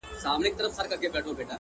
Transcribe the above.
د ژوندانه كارونه پاته رانه;